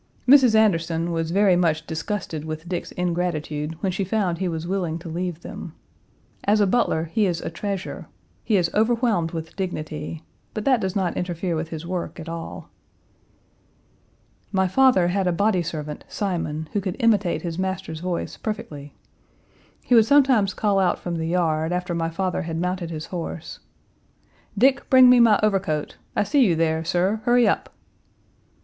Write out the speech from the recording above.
Mrs. Anderson was very much disgusted with Dick's ingratitude when she found he was willing to leave them. As a butler he is a treasure; he is overwhelmed with dignity, but that does not interfere with his work at all. My father had a body servant, Simon, who could imitate his master's voice perfectly. He would sometimes call out from the yard after my father had mounted his horse: "Dick, bring me my overcoat. I see you there, sir, hurry up."